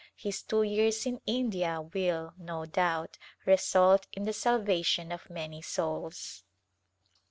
His two years in India will, no doubt, result in the salvation of many souls.